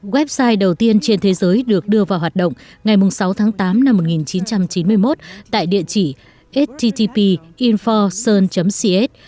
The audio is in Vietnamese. website đầu tiên trên thế giới được đưa vào hoạt động ngày sáu tháng tám năm một nghìn chín trăm chín mươi một tại địa chỉ http info sun cs